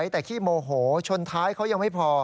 แต่ขี้โมโหชนท้ายเขายังไม่พอ